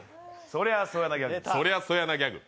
そりゃそうやなギャグ。